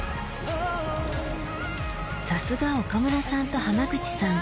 さすが岡村さんと濱口さん